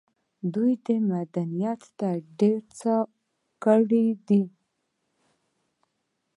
دوی مدنيت ته ډېر څه ورکړي دي.